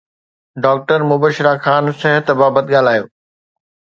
doctor Mubashira Khan صحت بابت ڳالهايو